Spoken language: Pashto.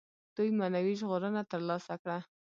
دوی معنوي ژغورنه تر لاسه کړي.